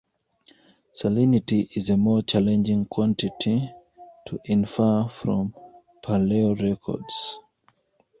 Salinity is a more challenging quantity to infer from paleorecords.